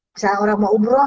misalnya orang mau umroh